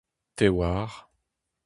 Te 'oar.